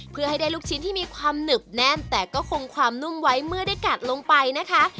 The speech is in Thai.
เพื่อให้ได้ลูกชิ้นที่มีความหนึบแน่นแต่ก็คงความนุ่มไว้เมื่อได้กัดลงไปนะคะ